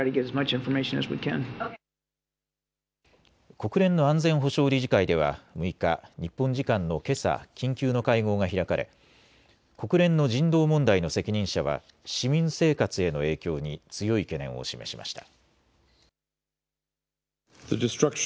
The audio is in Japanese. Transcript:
国連の安全保障理事会では６日、日本時間のけさ緊急の会合が開かれ国連の人道問題の責任者は市民生活への影響に強い懸念を示しました。